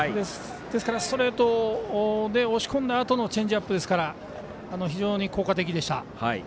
ですから、ストレートで押し込んだあとのチェンジアップですから非常に効果的でした。